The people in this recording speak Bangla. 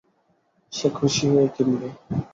সে খুশি হয়ে কিনবে।